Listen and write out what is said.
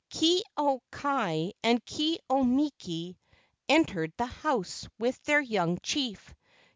Ke au kai and Ke au miki entered the house with their young chief.